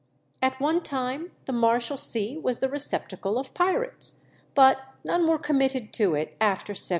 At one time the Marshalsea was the receptacle of pirates, but none were committed to it after 1789.